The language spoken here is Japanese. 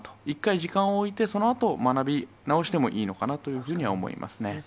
一回時間を置いて、そのあと学び直してもいいのかなというふうには思いますね。